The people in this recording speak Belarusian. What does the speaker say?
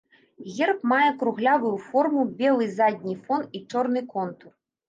Герб мае круглявую форму, белы задні фон і чорны контур.